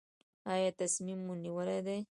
ایا تصمیم مو نیولی دی؟